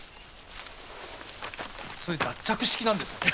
それ脱着式なんですね。